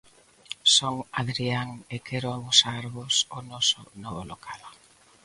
Son Adrián e quero amosarvos o noso novo local.